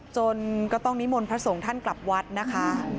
จนก็ต้องนิมนต์พระสงฆ์ท่านกลับวัดนะคะ